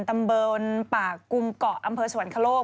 ตำบลป่ากุมเกาะอำเภอสวรรคโลก